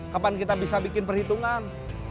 kapan kita bisa bikin perhitungan